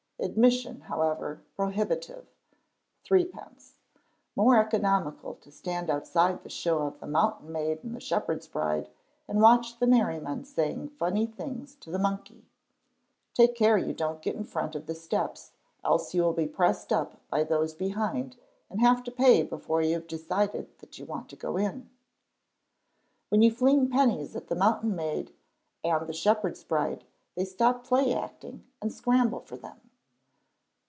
Admission, however, prohibitive (threepence). More economical to stand outside the show of the 'Mountain Maid and the Shepherd's Bride' and watch the merriman saying funny things to the monkey. Take care you don't get in front of the steps, else you will be pressed up by those behind and have to pay before you have decided that you want to go in. When you fling pennies at the Mountain Maid and the Shepherd's Bride they stop play acting and scramble for them.